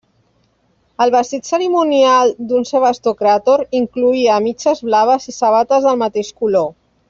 El vestit cerimonial d'un sebastocràtor incloïa mitges blaves i sabates del mateix color.